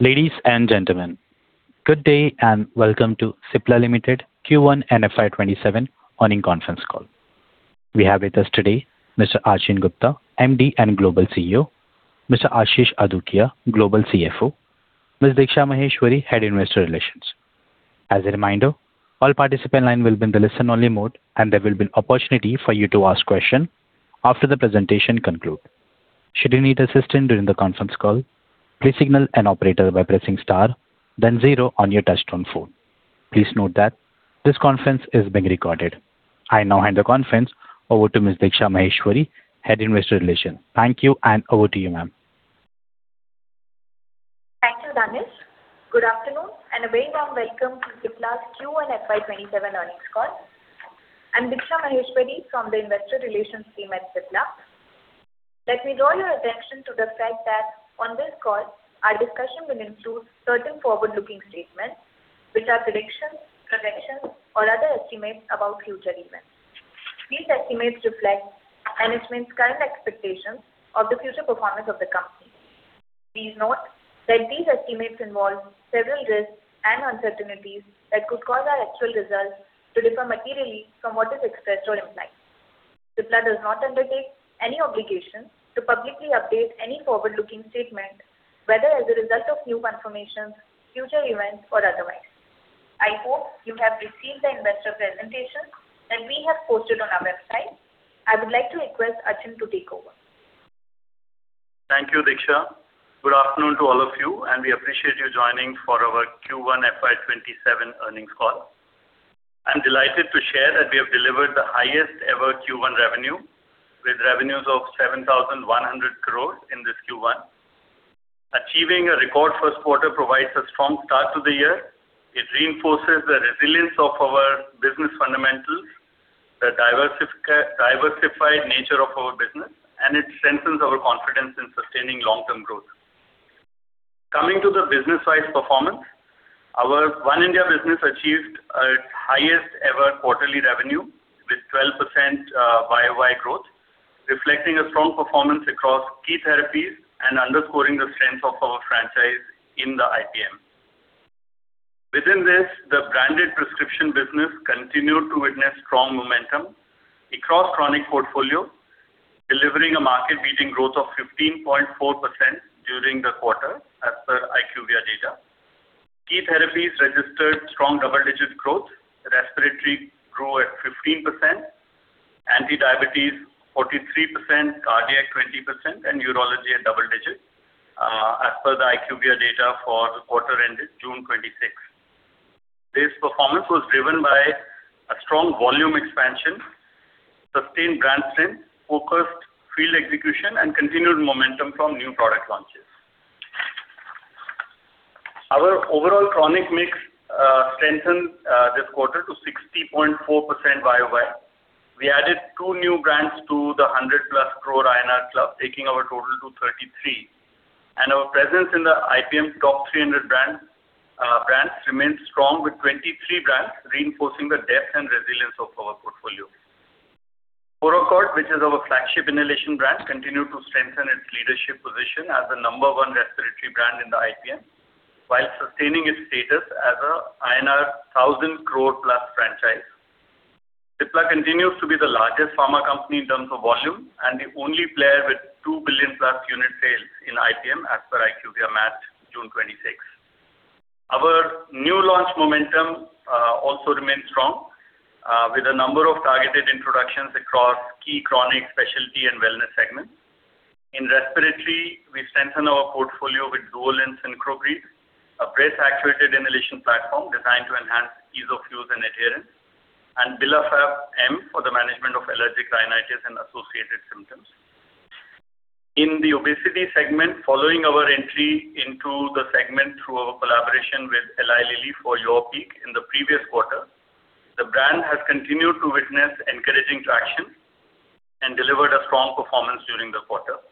Ladies and gentlemen, good day and welcome to Cipla Limited Q1 and FY 2027 Earnings Conference Call. We have with us today Mr. Achin Gupta, MD and Global CEO, Mr. Ashish Adukia, Global CFO, Ms. Diksha Maheshwari, Head Investor Relations. As a reminder, all participant line will be in the listen-only mode, and there will be opportunity for you to ask question after the presentation conclude. Should you need assistance during the conference call, please signal an operator by pressing star then zero on your touchtone phone. Please note that this conference is being recorded. I now hand the conference over to Ms. Diksha Maheshwari, Head Investor Relations. Thank you, and over to you, ma'am. Thank you, Danish. Good afternoon, and a very warm welcome to Cipla's Q1 FY 2027 Earnings Call. I'm Diksha Maheshwari from the investor relations team at Cipla. Let me draw your attention to the fact that on this call, our discussion will include certain forward-looking statements, which are predictions, projections, or other estimates about future events. These estimates reflect management's current expectations of the future performance of the company. Please note that these estimates involve several risks and uncertainties that could cause our actual results to differ materially from what is expressed or implied. Cipla does not undertake any obligation to publicly update any forward-looking statement, whether as a result of new confirmations, future events, or otherwise. I hope you have received the investor presentation that we have posted on our website. I would like to request Achin to take over. Thank you, Diksha. Good afternoon to all of you, and we appreciate you joining for our Q1 FY 2027 Earnings Call. I'm delighted to share that we have delivered the highest-ever Q1 revenue, with revenues of 7,100 crore in this Q1. Achieving a record first quarter provides a strong start to the year. It reinforces the resilience of our business fundamentals, the diversified nature of our business, and it strengthens our confidence in sustaining long-term growth. Coming to the business-wise performance, our One India business achieved its highest-ever quarterly revenue with 12% YoY growth, reflecting a strong performance across key therapies and underscoring the strength of our franchise in the IPM. Within this, the branded prescription business continued to witness strong momentum across chronic portfolio, delivering a market-beating growth of 15.4% during the quarter as per IQVIA data. Key therapies registered strong double-digit growth. Respiratory grew at 15%, anti-diabetes 43%, cardiac 20%, and neurology at double digits, as per the IQVIA data for the quarter ended June 2026. This performance was driven by a strong volume expansion, sustained brand strength, focused field execution, and continued momentum from new product launches. Our overall chronic mix strengthened this quarter to 60.4% YoY. We added two new brands to the 100+ crore INR club, taking our total to 33. Our presence in the IPM's top 300 brands remains strong with 23 brands, reinforcing the depth and resilience of our portfolio. Purocort, which is our flagship inhalation brand, continued to strengthen its leadership position as the number one respiratory brand in the IPM while sustaining its status as an INR 1,000 crore-plus franchise. Cipla continues to be the largest pharma company in terms of volume and the only player with 2 billion-plus unit sales in IPM as per IQVIA MAT June 26. Our new launch momentum also remains strong, with a number of targeted introductions across key chronic specialty and wellness segments. In respiratory, we've strengthened our portfolio with Duolin Synchrobreathe, a breath-actuated inhalation platform designed to enhance ease of use and adherence. Bilafav M for the management of allergic rhinitis and associated symptoms. In the obesity segment, following our entry into the segment through our collaboration with Eli Lilly for Zepbound in the previous quarter, the brand has continued to witness encouraging traction and delivered a strong performance during the quarter.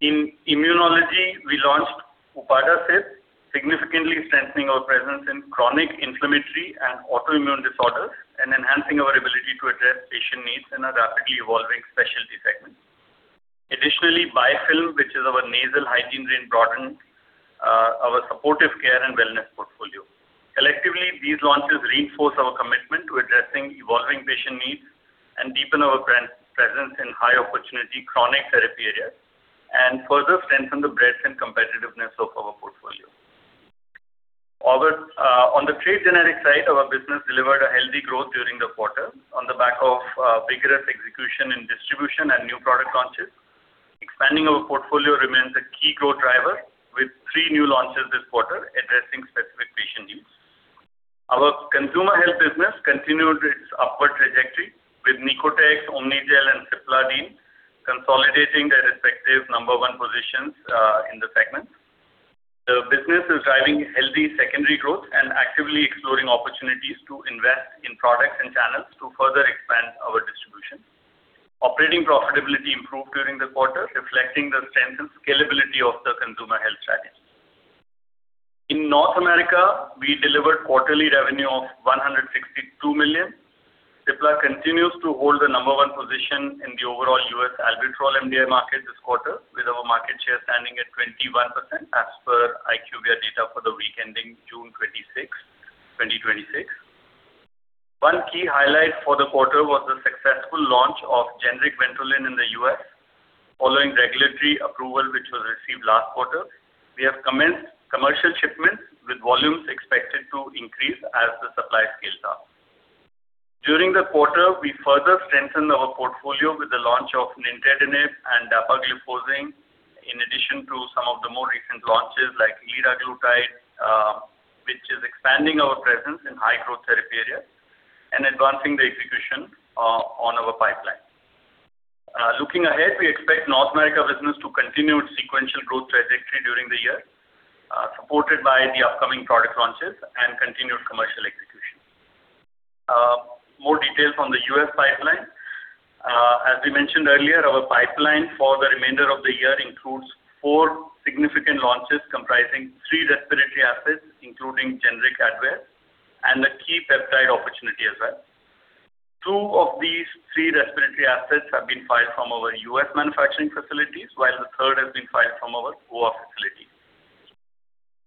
In immunology, we launched upadacitinib, significantly strengthening our presence in chronic inflammatory and autoimmune disorders and enhancing our ability to address patient needs in a rapidly evolving specialty segment. Vy-Fil, which is our nasal hygiene range, broadened our supportive care and wellness portfolio. Collectively, these launches reinforce our commitment to addressing evolving patient needs and deepen our brand presence in high-opportunity chronic therapy areas and further strengthen the breadth and competitiveness of our portfolio. On the trade generic side, our business delivered a healthy growth during the quarter on the back of vigorous execution in distribution and new product launches. Expanding our portfolio remains a key growth driver, with three new launches this quarter addressing specific patient needs. Our consumer health business continued its upward trajectory with Nicotex, Omnigel, and Cipladine consolidating their respective number one positions in the segment. The business is driving healthy secondary growth and actively exploring opportunities to invest in products and channels to further expand our distribution. Operating profitability improved during the quarter, reflecting the strength and scalability of the consumer health strategy. In North America, we delivered quarterly revenue of $162 million. Cipla continues to hold the number one position in the overall U.S. albuterol MDI market this quarter, with our market share standing at 21% as per IQVIA data for the week ending June 26, 2026. One key highlight for the quarter was the successful launch of generic Ventolin in the U.S., following regulatory approval, which was received last quarter. We have commenced commercial shipments with volumes expected to increase as the supply scales up. During the quarter, we further strengthened our portfolio with the launch of nintedanib and dapagliflozin, in addition to some of the more recent launches like liraglutide, which is expanding our presence in high-growth therapy areas and advancing the execution on our pipeline. Looking ahead, we expect North America business to continue its sequential growth trajectory during the year, supported by the upcoming product launches and continued commercial execution. More detail from the U.S. pipeline. As we mentioned earlier, our pipeline for the remainder of the year includes four significant launches comprising three respiratory assets, including generic ADVAIR and a key peptide opportunity as well. Two of these three respiratory assets have been filed from our U.S. manufacturing facilities, while the third has been filed from our Goa facility.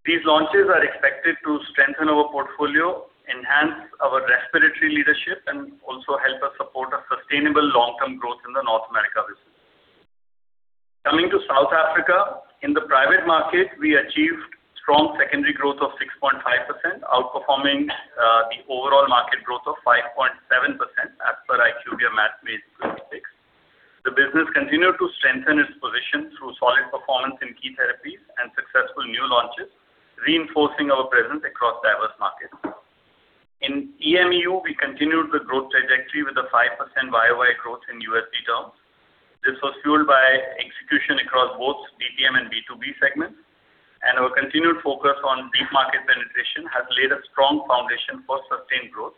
These launches are expected to strengthen our portfolio, enhance our respiratory leadership, and also help us support a sustainable long-term growth in the North America business. Coming to South Africa, in the private market, we achieved strong secondary growth of 6.5%, outperforming the overall market growth of 5.7% as per IQVIA MAT May 26. The business continued to strengthen its position through solid performance in key therapies and successful new launches, reinforcing our presence across diverse markets. In EMEU, we continued the growth trajectory with a 5% YoY growth in USD terms. This was fueled by execution across both DTM and B2B segments. Our continued focus on deep market penetration has laid a strong foundation for sustained growth.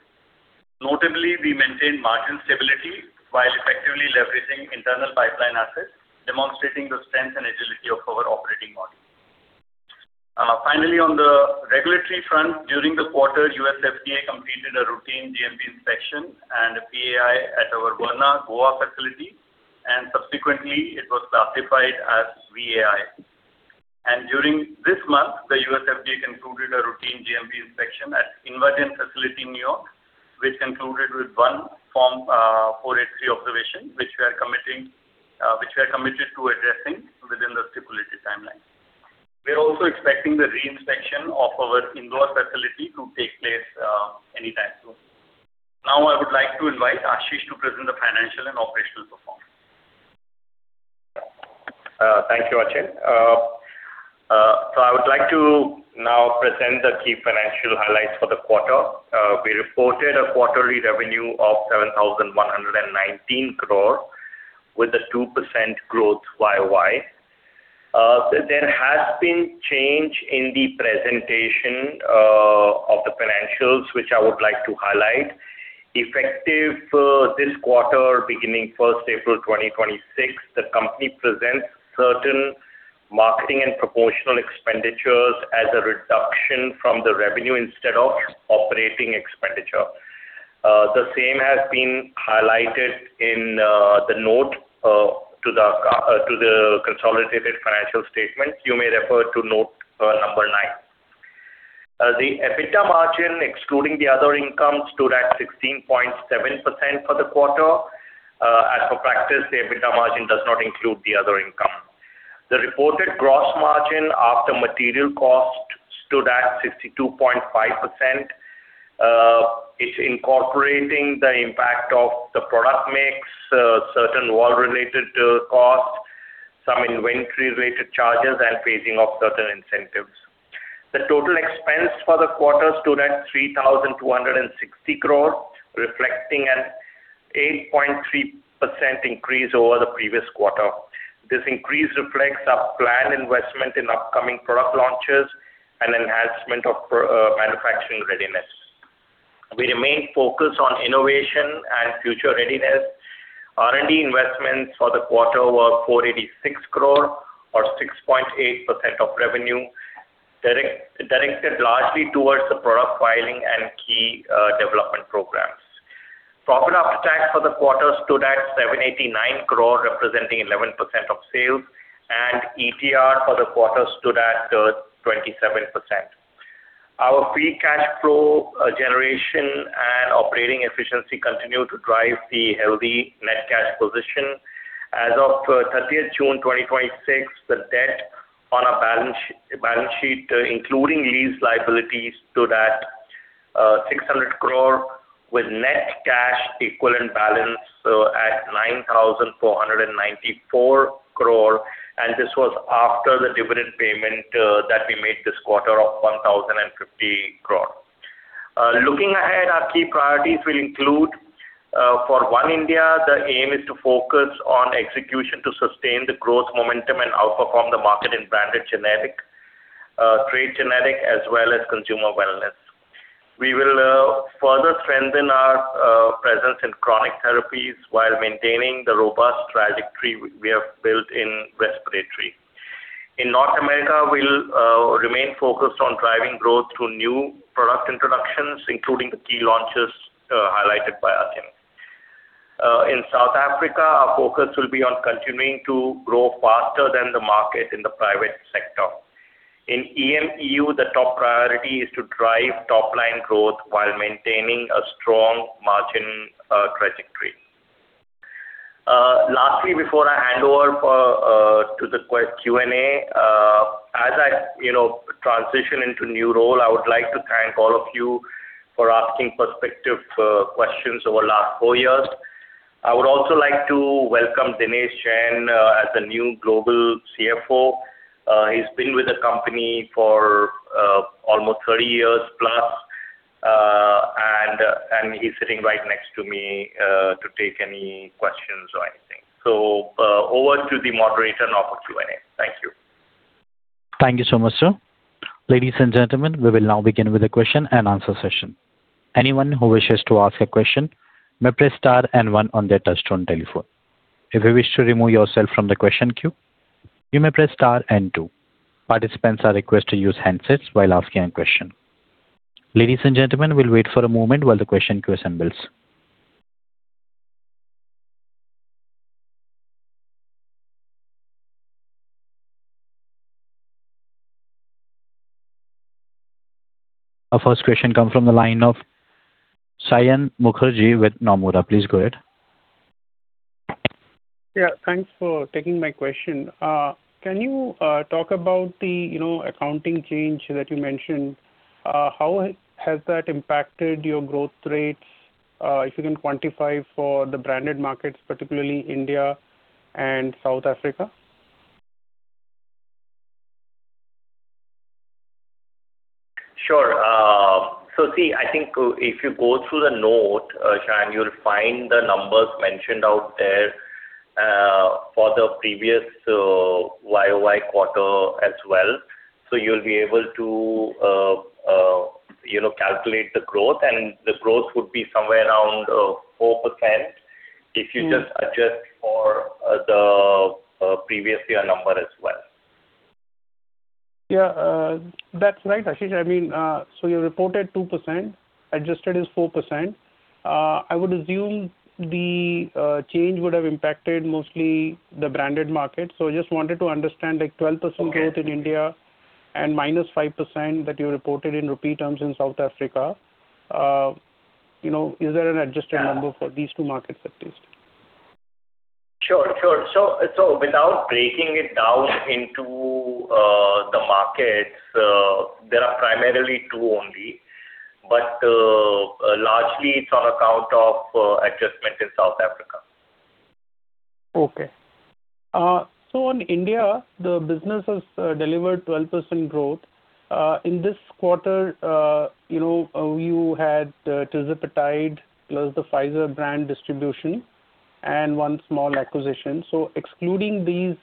Notably, we maintained margin stability while effectively leveraging internal pipeline assets, demonstrating the strength and agility of our operating model. On the regulatory front, during the quarter, U.S. FDA completed a routine GMP inspection and a PAI at our Verna, Goa facility, and subsequently it was classified as VAI. During this month, the U.S. FDA concluded a routine GMP inspection at InvaGen facility in N.Y., which concluded with one Form 483 observation, which we are committed to addressing within the stipulated timeline. We are also expecting the re-inspection of our Indore facility to take place anytime soon. I would like to invite Ashish to present the financial and operational performance. Thank you, Achin. I would like to now present the key financial highlights for the quarter. We reported a quarterly revenue of 7,119 crore with a 2% growth YoY. There has been change in the presentation of the financials, which I would like to highlight. Effective this quarter, beginning April 1st 2026, the company presents certain marketing and proportional expenditures as a reduction from the revenue instead of operating expenditure. The same has been highlighted in the note to the consolidated financial statement. You may refer to note number nine. The EBITDA margin, excluding the other income, stood at 16.7% for the quarter. As for practice, the EBITDA margin does not include the other income. The reported gross margin after material cost stood at 62.5%. It's incorporating the impact of the product mix, certain war-related costs, some inventory-related charges, and phasing of certain incentives. The total expense for the quarter stood at 3,260 crore, reflecting an 8.3% increase over the previous quarter. This increase reflects our planned investment in upcoming product launches and enhancement of manufacturing readiness. We remain focused on innovation and future readiness. R&D investments for the quarter were 486 crore or 6.8% of revenue, directed largely towards the product filing and key development programs. Profit after tax for the quarter stood at 789 crore, representing 11% of sales. ETR for the quarter stood at 27%. Our free cash flow generation and operating efficiency continue to drive the healthy net cash position. As of June 30th 2026, the debt on our balance sheet, including lease liabilities, stood at 600 crore, with net cash equivalent balance at 9,494 crore. This was after the dividend payment that we made this quarter of 1,050 crore. Looking ahead, our key priorities will include, for One India, the aim is to focus on execution to sustain the growth momentum and outperform the market in branded generic, trade generic, as well as consumer wellness. We will further strengthen our presence in chronic therapies while maintaining the robust trajectory we have built in respiratory. In North America, we will remain focused on driving growth through new product introductions, including the key launches highlighted by Achin. In South Africa, our focus will be on continuing to grow faster than the market in the private sector. In EMEU, the top priority is to drive top-line growth while maintaining a strong margin trajectory. Lastly, before I hand over to the Q&A, as I transition into new role, I would like to thank all of you for asking perspective questions over last four years. I would also like to welcome Dinesh Jain as the new Global CFO. He's been with the company for almost 30 years plus, and he's sitting right next to me to take any questions or anything. Over to the moderator now for Q&A. Thank you. Thank you so much, sir. Ladies and gentlemen, we will now begin with a question-and-answer session. Anyone who wishes to ask a question may press star and one on their touchtone telephone. If you wish to remove yourself from the question queue, you may press star and two. Participants are requested to use handsets while asking a question. Ladies and gentlemen, we will wait for a moment while the question queue assembles. Our first question comes from the line of Saion Mukherjee with Nomura. Please go ahead. Thanks for taking my question. Can you talk about the accounting change that you mentioned? How has that impacted your growth rates, if you can quantify for the branded markets, particularly India and South Africa? Sure. See, I think if you go through the note, Saion, you'll find the numbers mentioned out there for the previous YoY quarter as well. You'll be able to calculate the growth, and the growth would be somewhere around 4% if you just adjust for the previous year number as well. Yeah, that's right, Ashish. You reported 2%, adjusted is 4%. I would assume the change would have impacted mostly the branded market. I just wanted to understand, like 12% growth in India and -5% that you reported in INR terms in South Africa. Is there an adjusted number for these two markets at least? Sure. Without breaking it down into the markets, there are primarily two only. Largely, it's on account of adjustment in South Africa. Okay. In India, the business has delivered 12% growth. In this quarter, you had tirzepatide plus the Pfizer brand distribution and one small acquisition. Excluding these,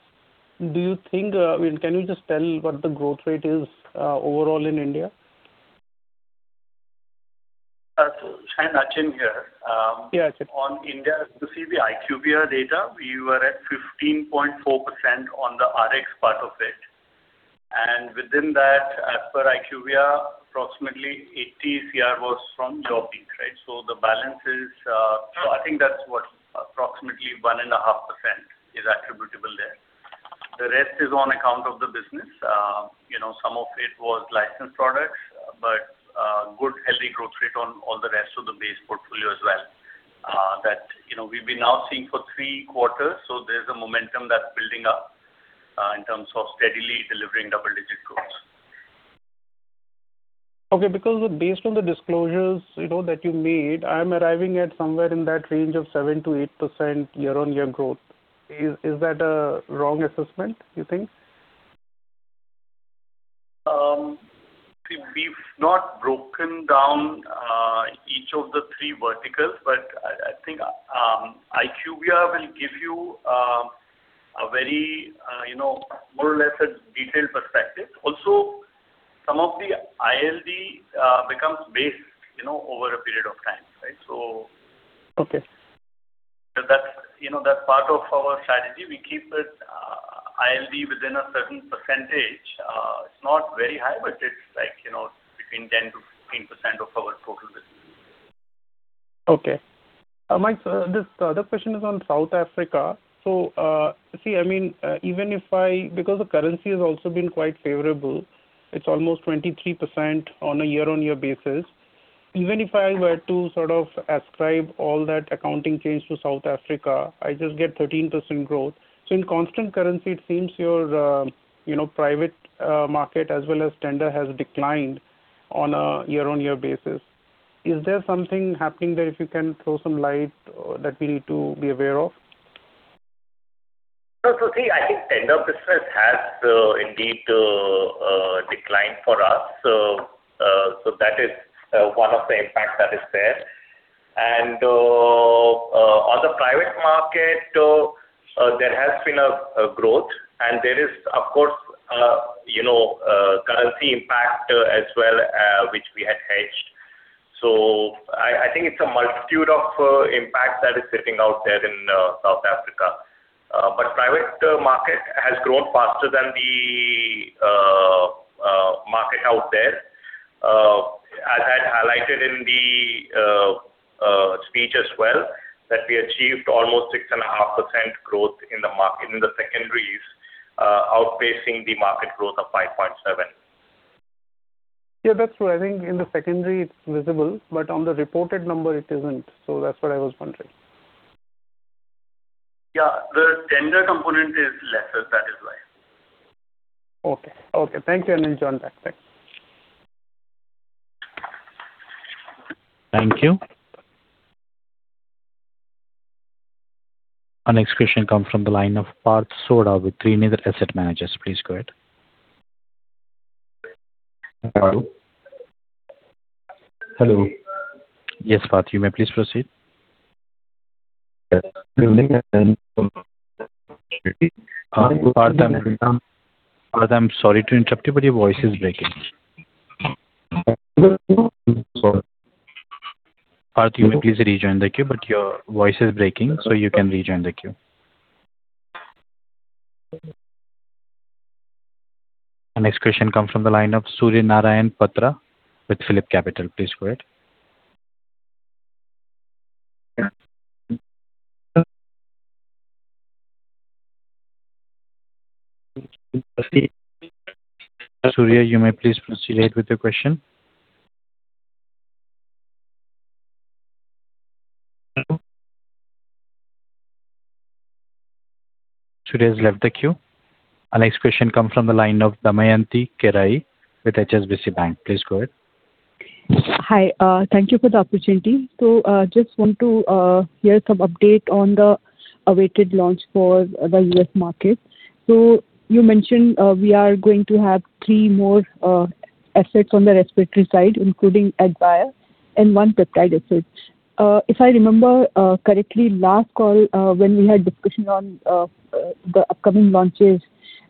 can you just tell me what the growth rate is overall in India? Saion, Achin here. Yeah, Achin. On India, if you see the IQVIA data, we were at 15.4% on the RX part of it. Within that, as per IQVIA, approximately 80 crore was from Yurpeak, right? I think that's what approximately 1.5% is attributable there. The rest is on account of the business. Some of it was licensed products, but good healthy growth rate on all the rest of the base portfolio as well. That we've been now seeing for three quarters, there's a momentum that's building up in terms of steadily delivering double-digit growth. Okay. Based on the disclosures that you made, I'm arriving at somewhere in that range of 7%-8% year-on-year growth. Is that a wrong assessment, you think? We've not broken down each of the three verticals, but I think IQVIA will give you more or less a detailed perspective. Also, some of the ILD becomes based over a period of time, right? Okay. That's part of our strategy. We keep ILD within a certain percentage. It's not very high, but it's between 10%-15% of our total business. Okay. This other question is on South Africa. See, because the currency has also been quite favorable, it's almost 23% on a year-on-year basis. Even if I were to sort of ascribe all that accounting change to South Africa, I just get 13% growth. In constant currency, it seems your private market as well as tender has declined on a year-on-year basis. Is there something happening there if you can throw some light that we need to be aware of? See, I think tender business has indeed declined for us. That is one of the impacts that is there. On the private market, there has been a growth and there is, of course, currency impact as well, which we had hedged. I think it's a multitude of impacts that is sitting out there in South Africa. Private market has grown faster than the market out there. As I had highlighted in the speech as well, that we achieved almost 6.5% growth in the market, in the secondaries, outpacing the market growth of 5.7%. Yeah, that's what I think. In the secondary it's visible, on the reported number it isn't. That's what I was wondering. Yeah. The tender component is lesser, that is why. Okay. Thank you, I'll join back. Thanks. Thank you. Our next question comes from the line of Parth Sodha with Trinetra Asset Managers. Please go ahead. Hello. Yes, Parth, you may please proceed. Parth, I am sorry to interrupt you, but your voice is breaking. Parth, you may please rejoin the queue, but your voice is breaking, you can rejoin the queue. Our next question comes from the line of Surya Narayan Patra with PhillipCapital. Please go ahead. Surya, you may please proceed with your question. Hello. Surya has left the queue. Our next question comes from the line of Damayanti Kerai with HSBC Bank. Please go ahead. Hi. Thank you for the opportunity. Just want to hear some update on the awaited launch for the U.S. market. You mentioned we are going to have three more assets on the respiratory side, including ADVAIR, and one peptide asset. If I remember correctly, last call when we had discussion on the upcoming launches,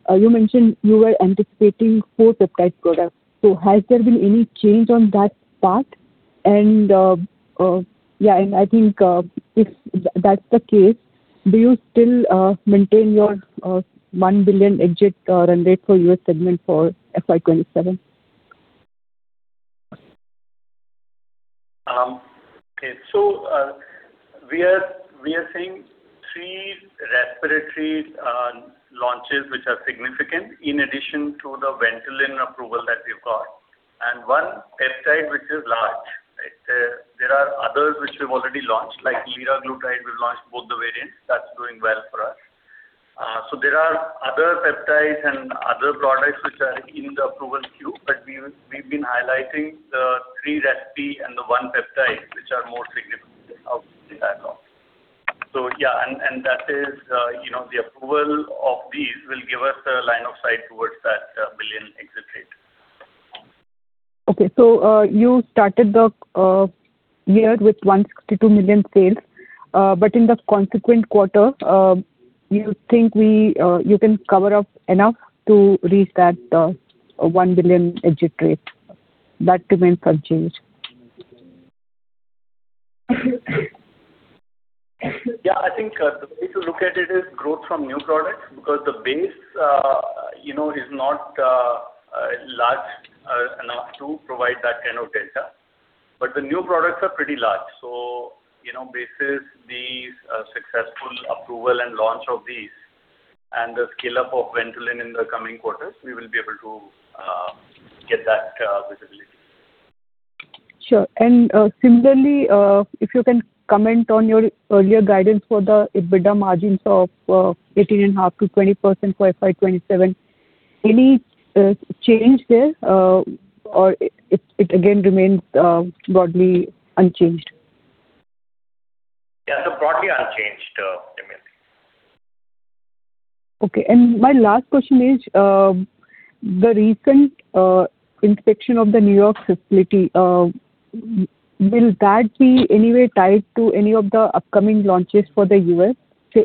you mentioned you were anticipating four peptide products. Has there been any change on that part? I think if that's the case, do you still maintain your $1 billion EBIT run rate for U.S. segment for FY 2027? We are seeing three respiratory launches, which are significant, in addition to the Ventolin approval that we've got, and one peptide which is large. There are others which we've already launched, like liraglutide. We've launched both the variants. That's doing well for us. There are other peptides and other products which are in the approval queue, but we've been highlighting the three respi and the one peptide which are more significant out of the pipeline. The approval of these will give us a line of sight towards that $1 billion exit rate. You started the year with $162 million sales, but in the consequent quarter, you think you can cover up enough to reach that $1 billion EBIT rate. That remains unchanged. I think the way to look at it is growth from new products, because the base is not large enough to provide that kind of data. The new products are pretty large. Basis these successful approval and launch of these and the scale-up of Ventolin in the coming quarters, we will be able to get that visibility. Sure. Similarly, if you can comment on your earlier guidance for the EBITDA margins of 18.5%-20% for FY 2027. Any change there? It again remains broadly unchanged? Yeah. broadly unchanged, Damayanti. Okay. My last question is, the recent inspection of the New York facility, will that be any way tied to any of the upcoming launches for the U.S.?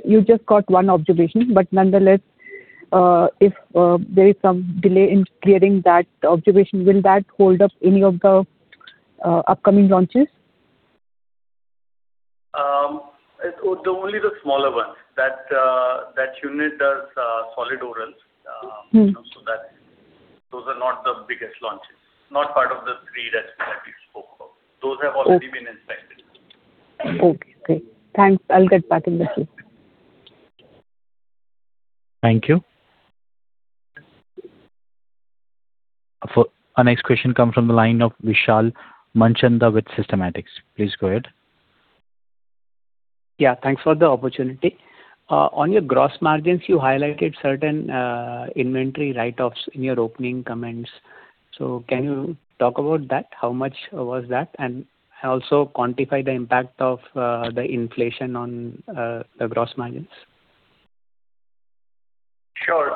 You just got one observation, nonetheless, if there is some delay in clearing that observation, will that hold up any of the upcoming launches? Only the smaller ones. That unit does solid orals. Those are not the biggest launches. Not part of the three respis that we spoke about. Those have already been inspected. Okay, great. Thanks. I'll get back in the queue. Thank you. Our next question comes from the line of Vishal Manchanda with Systematix. Please go ahead. Yeah. Thanks for the opportunity. On your gross margins, you highlighted certain inventory write-offs in your opening comments. Can you talk about that? How much was that? Also quantify the impact of the inflation on the gross margins. Sure.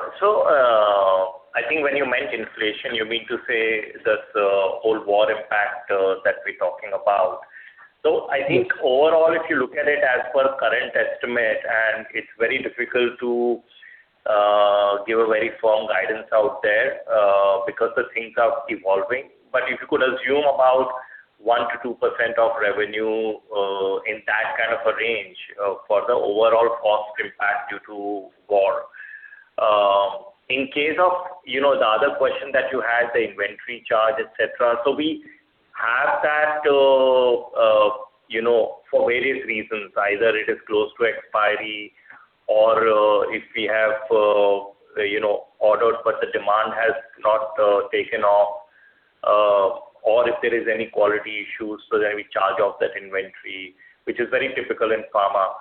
I think when you meant inflation, you mean to say that whole war impact that we're talking about. I think overall, if you look at it as per current estimate, it's very difficult to give a very firm guidance out there because the things are evolving. If you could assume about 1%-2% of revenue in that kind of a range for the overall cost impact due to war. In case of the other question that you had, the inventory charge, et cetera. We have that for various reasons, either it is close to expiry or if we have ordered, but the demand has not taken off or if there is any quality issues, then we charge off that inventory, which is very typical in pharma.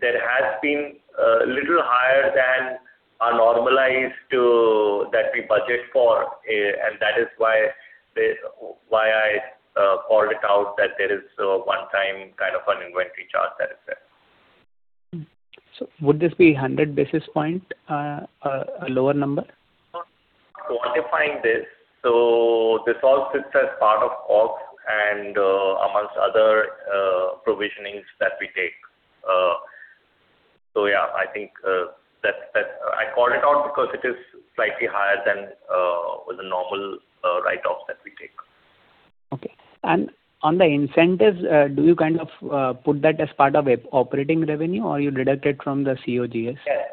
There has been a little higher than a normalized that we budget for and that is why I called it out that there is a one-time kind of an inventory charge that is there. Would this be 100 basis points, a lower number? Quantifying this all sits as part of ops and amongst other provisionings that we take. Yeah, I called it out because it is slightly higher than the normal write-offs that we take. Okay. On the incentives, do you kind of put that as part of operating revenue or you deduct it from the COGS? Yes.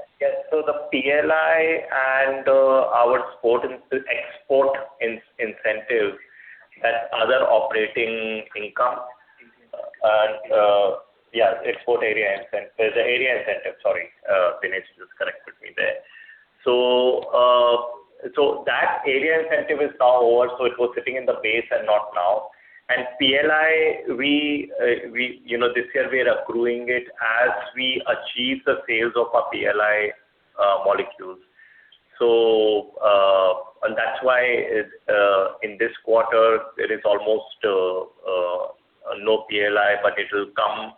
The PLI and our export incentive, that's other operating income. Yeah, export area incentive. The area incentive, sorry. Dinesh just corrected me there. That area incentive is now over, so it was sitting in the base and not now. PLI, this year we are accruing it as we achieve the sales of our PLI molecules. That's why in this quarter there is almost no PLI, but it will come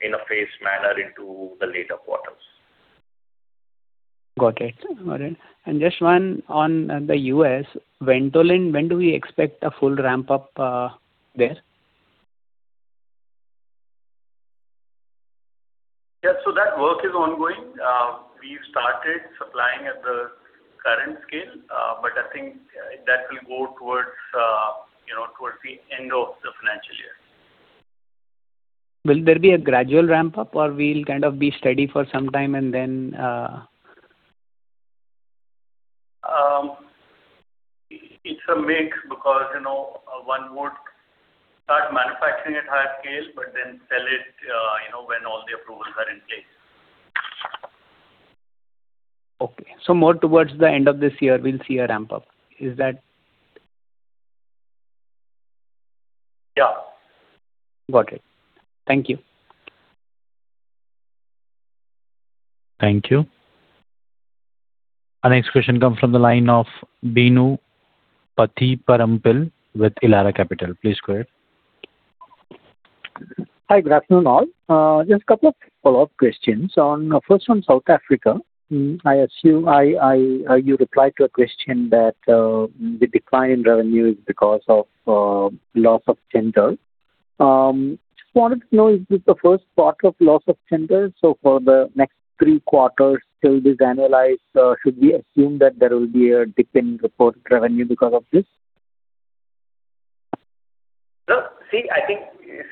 in a phased manner into the later quarters. Got it. Just one on the U.S. Ventolin, when do we expect a full ramp-up there? Yeah, that work is ongoing. We've started supplying at the current scale. I think that will go towards the end of the financial year. Will there be a gradual ramp-up or we'll kind of be steady for some time and then It's a mix because one would start manufacturing at higher scale, sell it when all the approvals are in place. Okay. More towards the end of this year, we'll see a ramp-up. Is that Yeah. Got it. Thank you. Thank you. Our next question comes from the line of Bino Pathiparampil with Elara Capital. Please go ahead. Hi, good afternoon all. Just a couple of follow-up questions. First, on South Africa, I assume you replied to a question that the decline in revenue is because of loss of tender. Just wanted to know, is this the first part of loss of tender? For the next three quarters till this annualize, should we assume that there will be a dip in reported revenue because of this? I think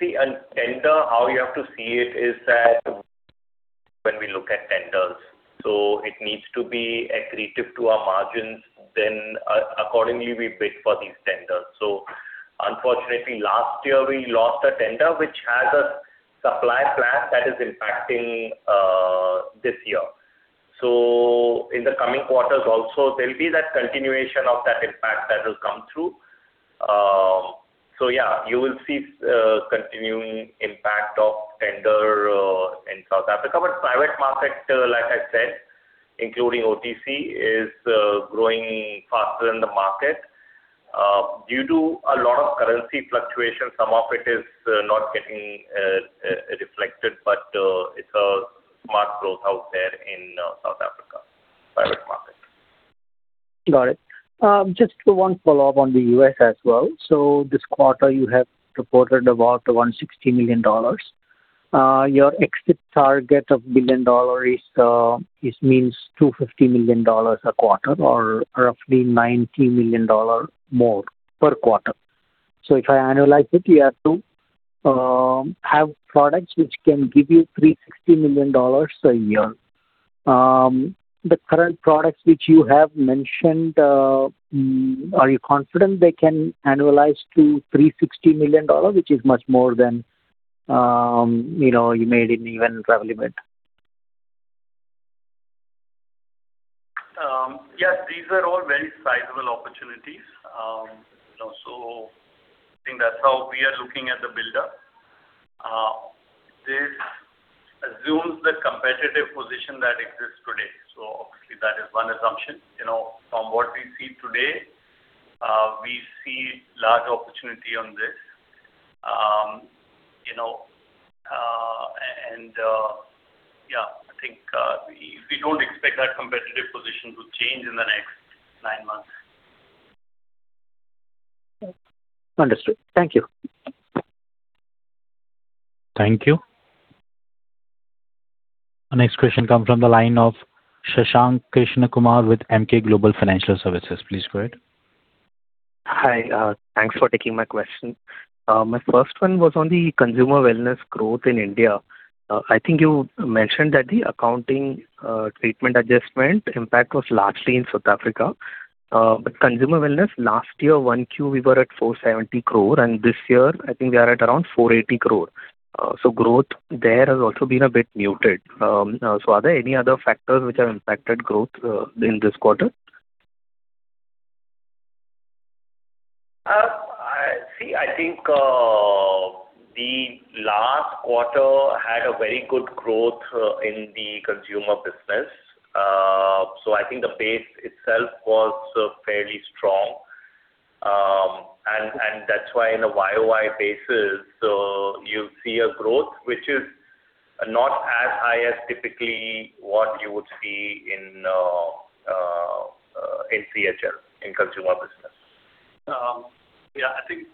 a tender, how you have to see it is that when we look at tenders, it needs to be accretive to our margins, accordingly, we bid for these tenders. Unfortunately, last year we lost a tender which has a supply class that is impacting this year. In the coming quarters also, there'll be that continuation of that impact that will come through. Yeah, you will see continuing impact of tender in South Africa. Private market, like I said, including OTC, is growing faster than the market. Due to a lot of currency fluctuation, some of it is not getting reflected, but it's a smart growth out there in South Africa, private market. Got it. Just one follow-up on the U.S. as well. This quarter you have reported about $160 million. Your exit target of $1 billion means $250 million a quarter or roughly $90 million more per quarter. If I annualize it, you have to have products which can give you $360 million a year. The current products which you have mentioned, are you confident they can annualize to $360 million, which is much more than you made in even REVLIMID? Yes, these are all very sizable opportunities. I think that's how we are looking at the buildup. This assumes the competitive position that exists today. Obviously that is one assumption. From what we see today, we see large opportunity on this. Yeah, I think we don't expect that competitive position to change in the next nine months. Understood. Thank you. Thank you. Our next question comes from the line of Shashank Krishnakumar with Emkay Global Financial Services. Please go ahead. Hi. Thanks for taking my question. My first one was on the consumer wellness growth in India. I think you mentioned that the accounting treatment adjustment impact was largely in South Africa. Consumer wellness last year, 1Q, we were at 470 crore, and this year, I think we are at around 480 crore. Growth there has also been a bit muted. Are there any other factors which have impacted growth in this quarter? See, I think, the last quarter had a very good growth in the consumer business. I think the base itself was fairly strong. That's why in a YoY basis, you see a growth which is not as high as typically what you would see in CHR, in consumer business. Yeah, I think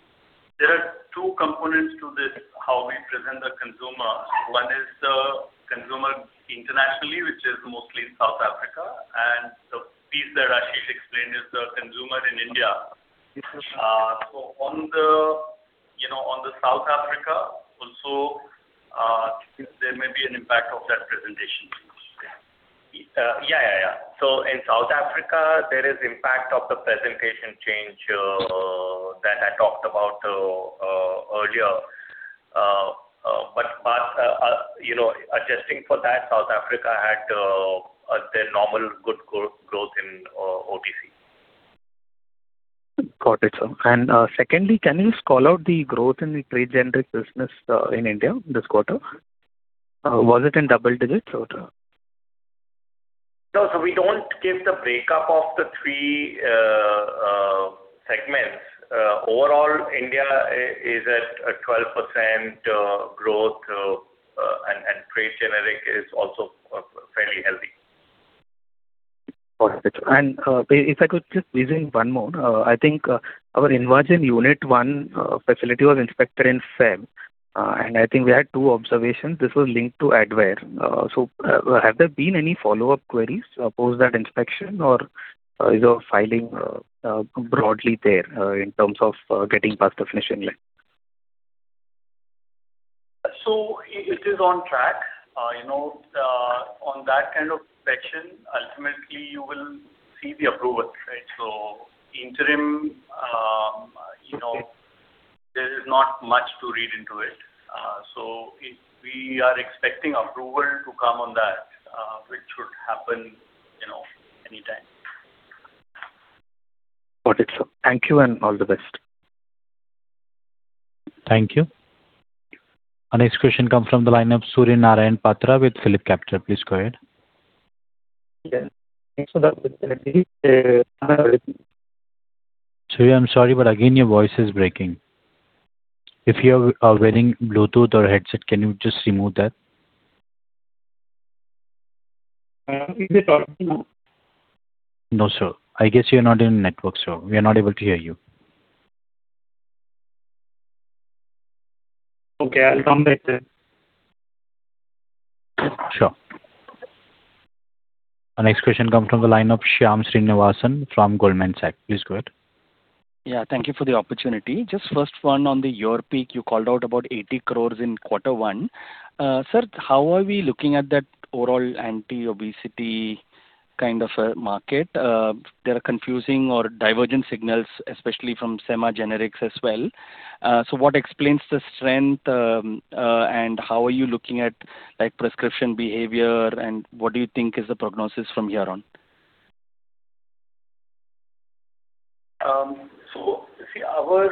there are two components to this, how we present the consumer. One is the consumer internationally, which is mostly in South Africa. The piece that Ashish explained is the consumer in India. Yes. On the South Africa also, there may be an impact of that presentation. In South Africa, there is impact of the presentation change that I talked about earlier. Adjusting for that, South Africa had their normal good growth in OTC. Got it, sir. Secondly, can you call out the growth in the trade generic business in India this quarter? Was it in double digits or no? No, we don't give the breakup of the three segments. Overall, India is at a 12% growth and trade generic is also fairly healthy. Got it. If I could just squeeze in one more. I think our InvaGen Unit 1 facility was inspected in February, and I think we had two observations. This was linked to ADVAIR. Have there been any follow-up queries post that inspection, or is your filing broadly there in terms of getting past the finish line? It is on track. On that kind of inspection, ultimately, you will see the approval, right? Interim, there is not much to read into it. We are expecting approval to come on that, which should happen anytime. Got it, sir. Thank you and all the best. Thank you. Our next question comes from the line of Surya Narayan Patra with PhillipCapital. Please go ahead. Thanks for the opportunity. Sorry, I'm sorry, again, your voice is breaking. If you are wearing Bluetooth or headset, can you just remove that? Is it all right now? No, sir. I guess you're not in network, sir. We are not able to hear you. Okay, I'll come back then. Sure. Our next question comes from the line of Shyam Srinivasan from Goldman Sachs. Please go ahead. Yeah, thank you for the opportunity. Just first one on the Yurpeak, you called out about 80 crores in quarter one. Sir, how are we looking at that overall anti-obesity kind of a market? There are confusing or divergent signals, especially from semaglutide generics as well. What explains the strength, and how are you looking at prescription behavior, and what do you think is the prognosis from here on? See, our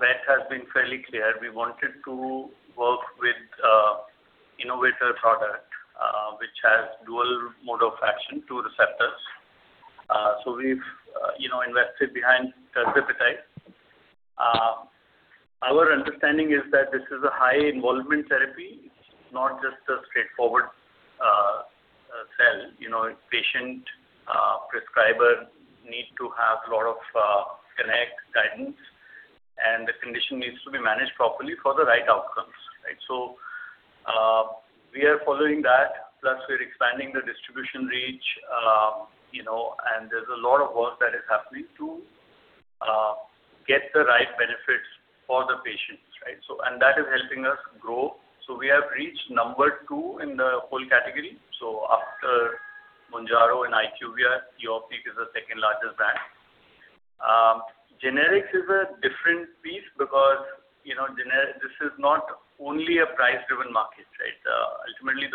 bet has been fairly clear. We wanted to work with innovative product, which has dual mode of action, two receptors. We've invested behind tirzepatide. Our understanding is that this is a high involvement therapy, it's not just a straightforward sell. Patient, prescriber need to have lot of connect, guidance, and the condition needs to be managed properly for the right outcomes. Right? We are following that, plus we're expanding the distribution reach, and there's a lot of work that is happening to get the right benefits for the patients. Right? That is helping us grow. We have reached number two in the whole category. After Mounjaro and IQVIA, Yurpeak is the second-largest brand. Generics is a different piece because this is not only a price-driven market, right? Ultimately,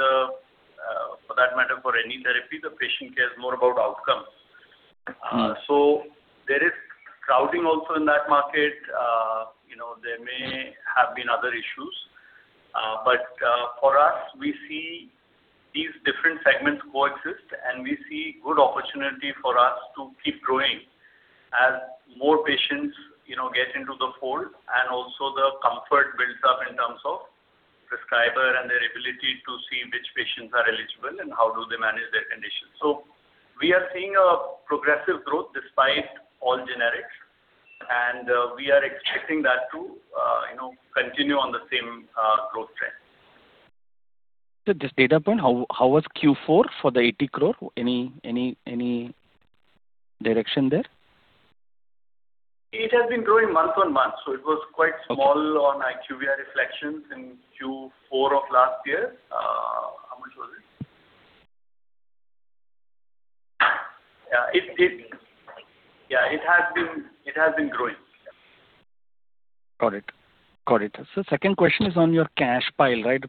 for that matter, for any therapy, the patient cares more about outcomes. There is crowding also in that market. There may have been other issues. For us, we see these different segments coexist, and we see good opportunity for us to keep growing as more patients get into the fold and also the comfort builds up in terms of prescriber and their ability to see which patients are eligible and how do they manage their conditions. We are seeing a progressive growth despite all generics, and we are expecting that to continue on the same growth trend. This data point, how was Q4 for the 80 crore? Any direction there? It has been growing month-on-month, so it was quite small on IQVIA reflections in Q4 of last year. How much was it? Yeah, it has been growing. Got it. Second question is on your cash pile, right?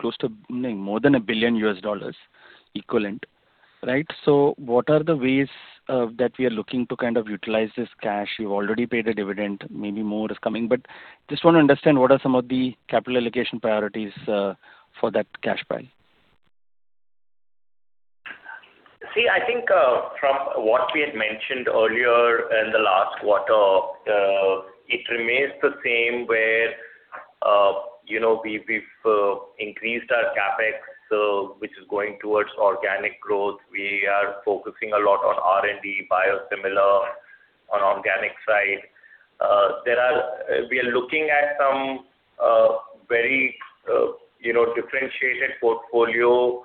Close to more than $1 billion equivalent. What are the ways that we are looking to utilize this cash? You've already paid a dividend, maybe more is coming, but just want to understand what are some of the capital allocation priorities for that cash pile. From what we had mentioned earlier in the last quarter, it remains the same where we've increased our CapEx, which is going towards organic growth. We are focusing a lot on R&D, biosimilar on organic side. We are looking at some very differentiated portfolio,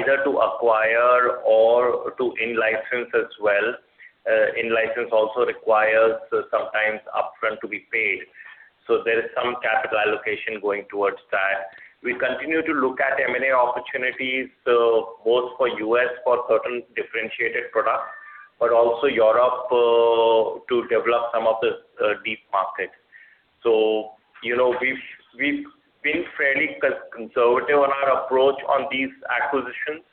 either to acquire or to in-license as well. In-license also requires sometimes upfront to be paid. There is some capital allocation going towards that. We continue to look at M&A opportunities, both for U.S., for certain differentiated products, also Europe to develop some of this deep market. We've been fairly conservative on our approach on these acquisitions,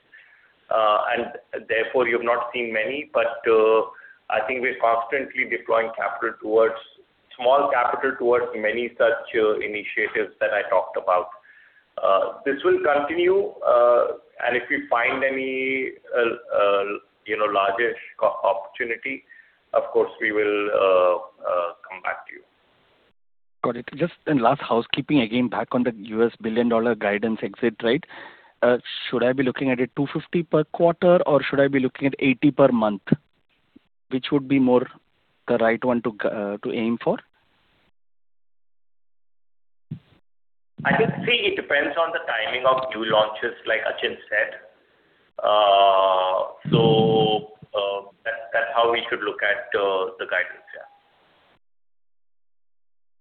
therefore you've not seen many. We're constantly deploying small capital towards many such initiatives that I talked about. This will continue, if we find any larger opportunity, of course, we will come back to you. Got it. Just last housekeeping, again, back on the U.S. billion-dollar guidance exit. Should I be looking at it 250 per quarter or should I be looking at 80 per month? Which would be more the right one to aim for? It depends on the timing of new launches, like Achin said. That's how we should look at the guidance.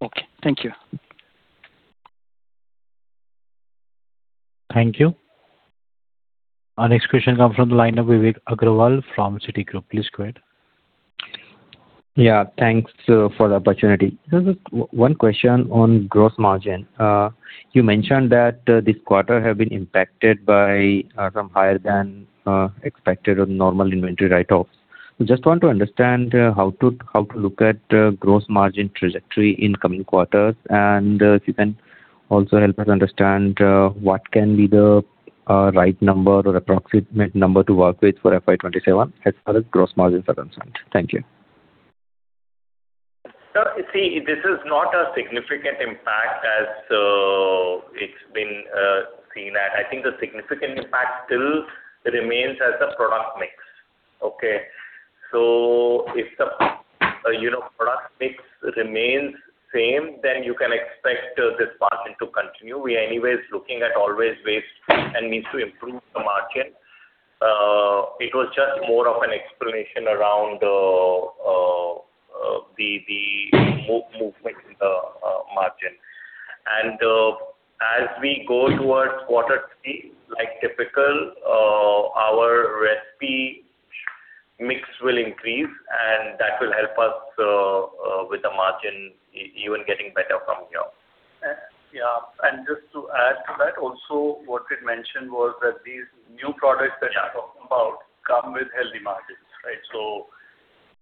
Okay. Thank you. Thank you. Our next question comes from the line of Vivek Agrawal from Citigroup. Please go ahead. Yeah, thanks for the opportunity. Just one question on gross margin. You mentioned that this quarter has been impacted by some higher than expected or normal inventory write-offs. I just want to understand how to look at gross margin trajectory in coming quarters, and if you can also help us understand what can be the right number or approximate number to work with for FY 2027 as far as gross margins are concerned. Thank you. Sir, see, this is not a significant impact as it's been seen that I think the significant impact still remains as the product mix. Okay. If the product mix remains same, then you can expect this margin to continue. We're anyways looking at always ways and means to improve the margin. It was just more of an explanation around the movement in the margin. As we go towards quarter three, like typical, our recipe mix will increase, and that will help us with the margin even getting better from here. Yeah. Just to add to that also, what we had mentioned was that these new products that we're talking about come with healthy margins, right?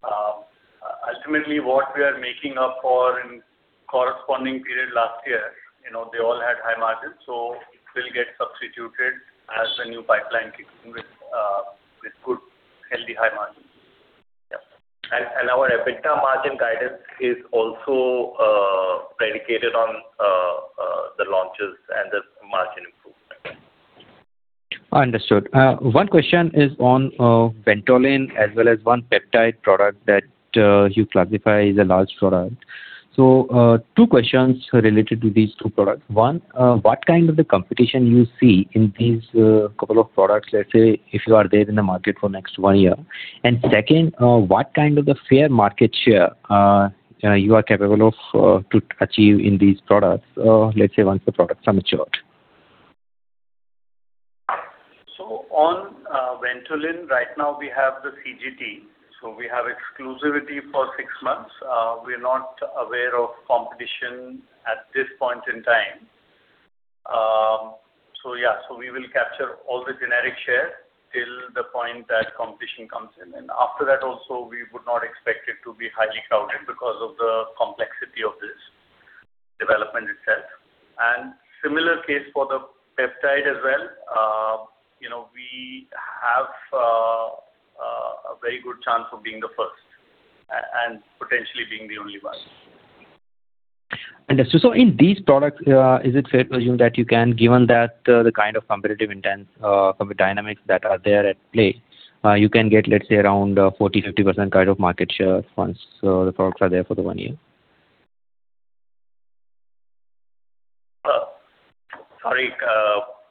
Ultimately, what we are making up for in corresponding period last year, they all had high margins, so it will get substituted as the new pipeline kicks in with good, healthy, high margins. Yep. Our EBITDA margin guidance is also predicated on the launches and the margin improvement. Understood. One question is on Ventolin as well as one peptide product that you classify as a large product. Two questions related to these two products. One, what kind of the competition you see in these couple of products, let's say, if you are there in the market for next one year? Second, what kind of the fair market share you are capable of to achieve in these products, let's say, once the products are matured. On Ventolin, right now we have the CGT. We have exclusivity for six months. We are not aware of competition at this point in time. We will capture all the generic share till the point that competition comes in. After that also, we would not expect it to be highly crowded because of the complexity of this development itself. Similar case for the peptide as well. We have a very good chance of being the first and potentially being the only one. Understood. In these products, is it fair to assume that you can, given that the kind of competitive dynamics that are there at play, you can get, let's say, around 40%-50% kind of market share once the products are there for one year? Sorry.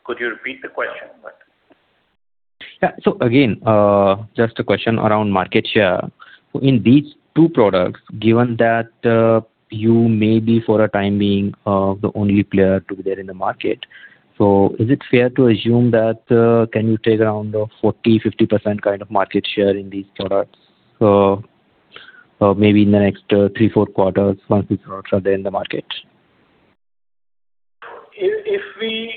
Could you repeat the question? Yeah. Again, just a question around market share. In these two products, given that you may be for a time being, the only player to be there in the market. Is it fair to assume that, can you take around a 40%-50% kind of market share in these products? Maybe in the next three, four quarters once these products are there in the market. If we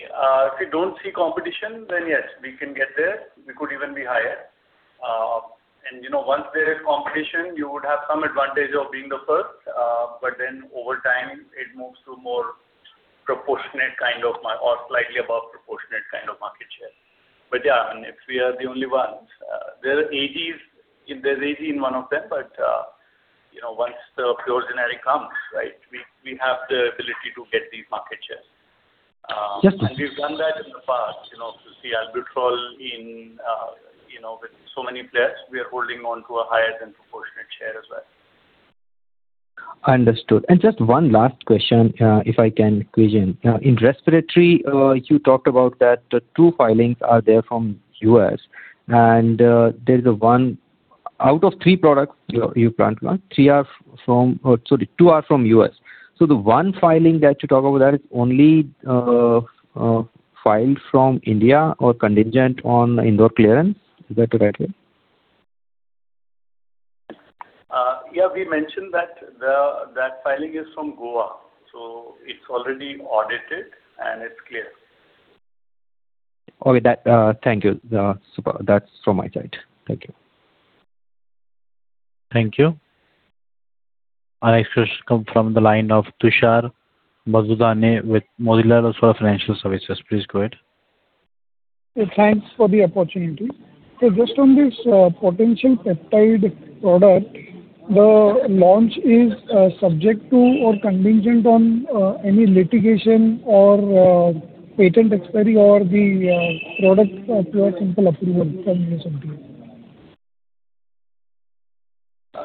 don't see competition, yes, we can get there. We could even be higher. Once there is competition, you would have some advantage of being the first, over time, it moves to more proportionate or slightly above proportionate kind of market share. Yeah, if we are the only ones There's AGs in one of them, but once the pure generic comes, we have the ability to get the market share. Yes, sir. We've done that in the past, to see albuterol with so many players, we are holding onto a higher than proportionate share as well. Understood. Just one last question, if I can squeeze in. In respiratory, you talked about that two filings are there from U.S. and out of three products you plan to launch, two are from U.S. The one filing that you talk about that is only filed from India or contingent on India clearance. Is that the right way? Yeah, we mentioned that filing is from Goa, it's already audited and it's clear. Okay. Thank you. Super. That's from my side. Thank you. Thank you. Our next question come from the line of Tushar Manudhane with Motilal Oswal Financial Services. Please go ahead. Thanks for the opportunity. Just on this potential peptide product, the launch is subject to or contingent on any litigation or patent expiry or the product pure simple approval from U.S. FDA?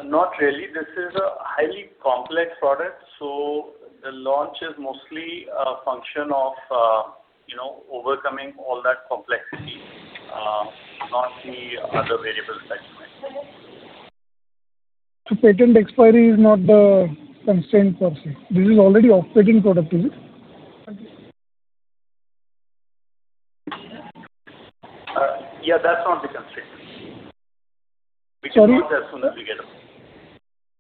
Not really. This is a highly complex product, so the launch is mostly a function of overcoming all that complexity, not the other variables that you mentioned. Patent expiry is not the constraint per se. This is already off-patent product, is it? Thank you. Yeah, that's not the constraint. Sorry.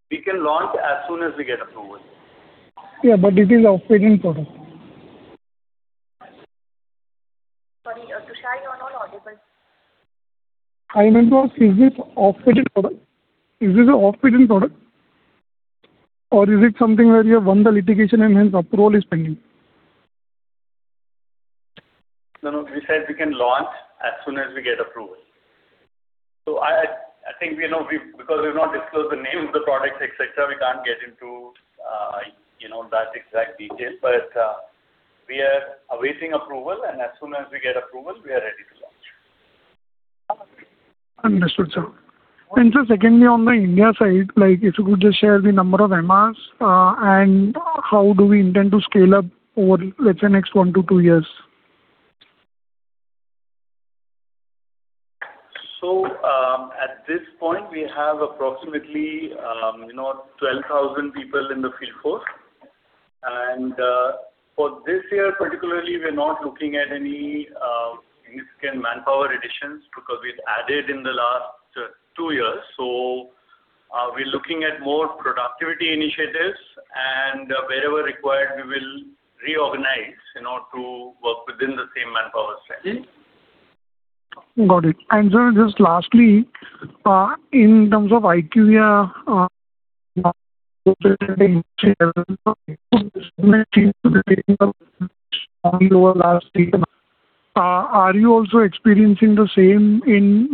We can launch as soon as we get approval. Yeah, it is off-patent product. Sorry, Tushar, you are not audible. I meant to ask, is it off-patent product? Is this a off-patent product or is it something where you have won the litigation and hence approval is pending? No, we said we can launch as soon as we get approval. I think, because we've not disclosed the name of the product, et cetera, we can't get into that exact detail. We are awaiting approval, and as soon as we get approval, we are ready to launch. Understood, sir. Sir, secondly, on the India side, if you could just share the number of MRs, and how do we intend to scale up over, let's say, next one to two years? At this point, we have approximately 12,000 people in the field force. For this year particularly, we're not looking at any significant manpower additions because we've added in the last two years. We're looking at more productivity initiatives and wherever required, we will reorganize in order to work within the same manpower strength. Got it. Sir, just lastly, in terms of IQVIA are you also experiencing the same in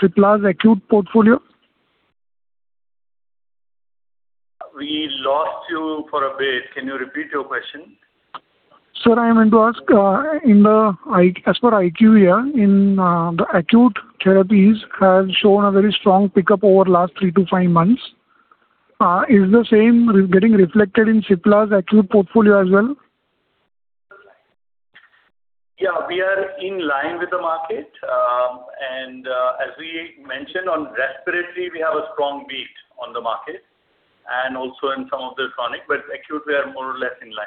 Cipla's acute portfolio? We lost you for a bit. Can you repeat your question? Sir, I meant to ask, as for IQVIA, in the acute therapies have shown a very strong pickup over last three to five months. Is the same getting reflected in Cipla's acute portfolio as well? Yeah. We are in line with the market. As we mentioned on respiratory, we have a strong beat on the market and also in some of the chronic, but acute, we are more or less in line.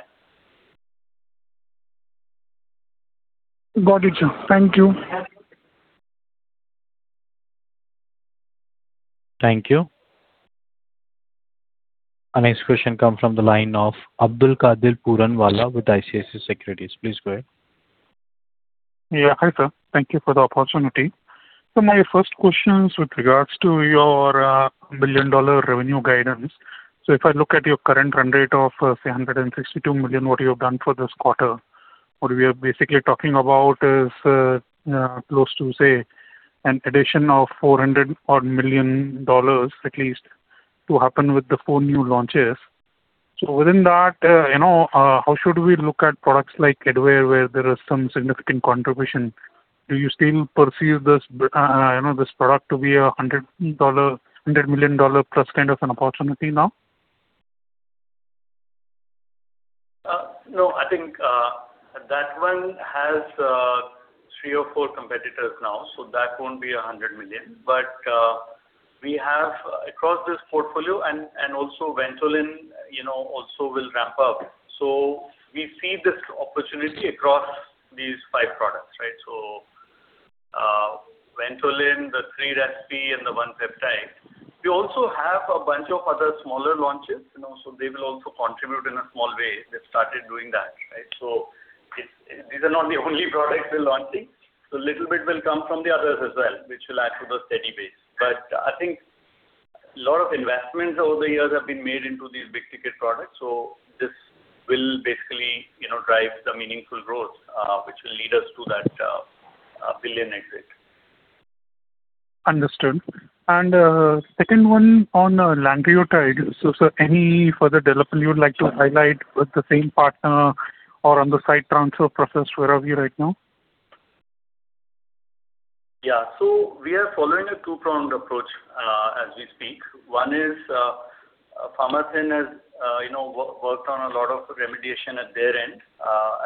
Got it, sir. Thank you. Thank you. Our next question come from the line of Abdulkader Puranwala with ICICI Securities. Please go ahead. Yeah. Hi, sir. Thank you for the opportunity. My first question is with regards to your billion-dollar revenue guidance. If I look at your current run rate of, say, 162 million, what you have done for this quarter, what we are basically talking about is close to, say, an addition of 400 odd million at least to happen with the four new launches. Within that, how should we look at products like ADVAIR where there is some significant contribution? Do you still perceive this product to be an INR 100 million plus kind of an opportunity now? No, I think that one has three or four competitors now, that won't be an 100 million. We have across this portfolio, and also Ventolin also will ramp up. We see this opportunity across these five products, right? Ventolin, the three Resp and the one peptide. We also have a bunch of other smaller launches, they will also contribute in a small way. They've started doing that, right? These are not the only products we're launching. A little bit will come from the others as well, which will add to the steady base. I think a lot of investments over the years have been made into these big-ticket products. This will basically drive some meaningful growth, which will lead us to that billion exit. Understood. Second one on lanreotide. Sir, any further development you would like to highlight with the same partner or on the site transfer process, where are you right now? Yeah. We are following a two-pronged approach as we speak. One is, Pharmathen has worked on a lot of remediation at their end